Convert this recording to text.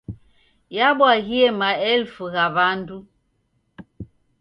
Yabwaghie maelfu gha w'andu.